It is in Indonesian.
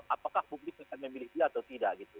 apakah publik akan memiliki atau tidak gitu